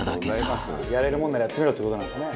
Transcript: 「やれるもんならやってみろっていう事なんですね」